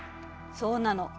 そうなの。